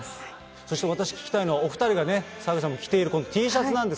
そして私、聞きたいのは、お２人がね、澤口さんが着てるＴシャツなんです。